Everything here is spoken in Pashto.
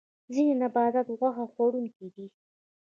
ځینې نباتات غوښه خوړونکي دي